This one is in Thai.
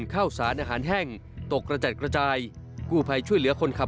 ข้าวสารอาหารแห้งตกกระจัดกระจายกู้ภัยช่วยเหลือคนขับ